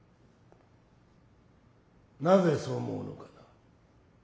なぜそう思うのかな？